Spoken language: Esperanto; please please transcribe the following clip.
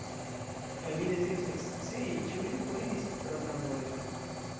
Kaj mi dezirus ekscii, ĉu li foriris propravole.